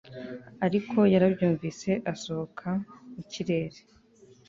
ariko yarabyumvise, asohoka mu kirere